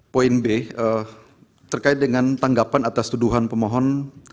poin b terkait dengan tanggapan atas tuduhan pemohon